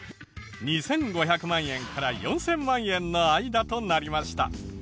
２５００万円から４０００万円の間となりました。